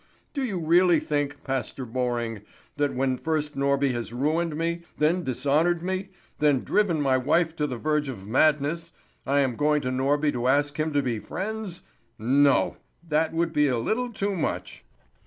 Do you really think, Pastor Borring, that when first Norby has ruined me, then dishonoured me, then driven my wife to the verge of madness, I am going to Norby to ask him to be friends? No! That would be a little too much!"